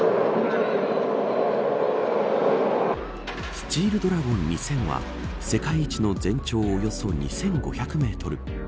スチールドラゴン２０００は世界一の全長およそ２５００メートル。